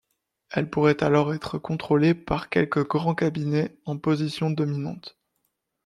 Elle pourrait alors être contrôlée par quelques grands cabinets en position dominante.